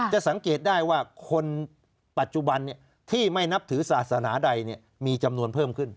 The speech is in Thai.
จะสังเกตได้ว่าคนปัจจุบันที่ไม่นับถือศาสนาใดมีจำนวนเพิ่มขึ้น